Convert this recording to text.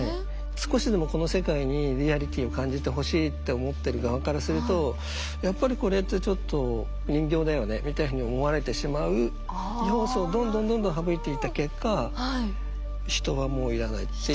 少しでもこの世界にリアリティを感じてほしいって思ってる側からするとやっぱりこれってちょっと人形だよねみたいに思われてしまう要素をどんどんどんどんはぶいていった結果人はもう要らないっていう。